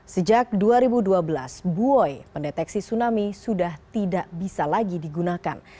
sejak dua ribu dua belas buoy mendeteksi tsunami sudah tidak bisa lagi digunakan